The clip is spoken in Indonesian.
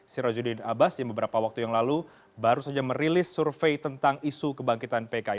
sirojudin abbas yang beberapa waktu yang lalu baru saja merilis survei tentang isu kebangkitan pki